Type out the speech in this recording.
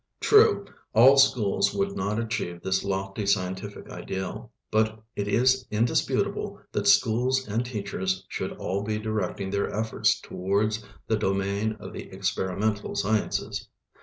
True, all schools would not achieve this lofty scientific ideal. But it is indisputable that schools and teachers should all be directing their efforts towards the domain of the experimental sciences.